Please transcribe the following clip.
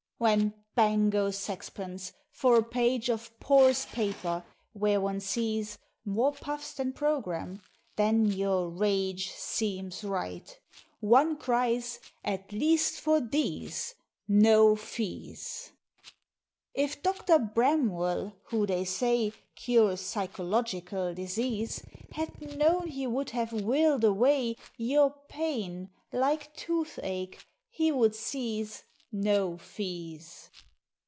When "bang goes saxpence" for a page Of poorest paper, where one sees More puffs than programme, then your rage Seems right. One cries, "At least for these No fees!" If Dr. BRAMWELL, who they say Cures psychological disease, Had known he would have willed away Your PAYNE, like tooth ache he would seize "No fees!"